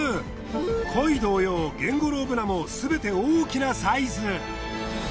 コイ同様ゲンゴロウブナもすべて大きなサイズ。